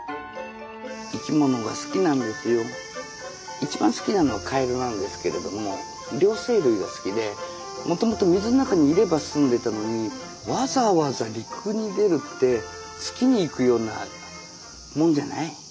一番好きなのはカエルなんですけれども両生類が好きでもともと水の中にいれば済んでたのにわざわざ陸に出るって月に行くようなもんじゃない？